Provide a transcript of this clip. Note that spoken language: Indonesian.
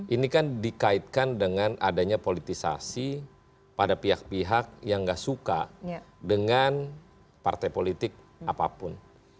ini kan dikaitkan dengan adanya politisasi pada pihak pihak yang gak suka dengan partai politik apapun